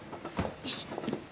よし！